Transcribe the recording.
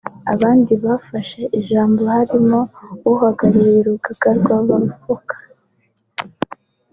Abandi bafashe ijambo harimo uhagarariye Urugaga rw’Abavoka